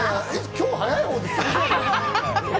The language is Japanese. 今日は早いほうです。